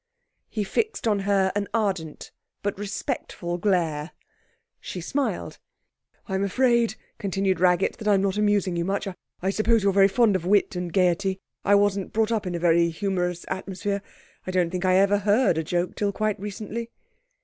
He fixed on her an ardent but respectful glare. She smiled. 'I'm afraid,' continued Raggett, 'that I'm not amusing you much. I suppose you're very fond of wit and gaiety? I wasn't brought up in a very humorous atmosphere. I don't think I ever heard a joke till quite recently.'